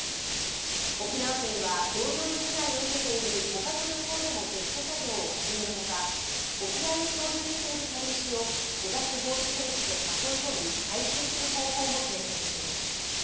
沖縄県は同様の被害を受けている他の漁港でも撤去作業を始めるほか沖合を漂流している軽石を汚濁防止フェンスで囲い込み、回収する方法も検討しています。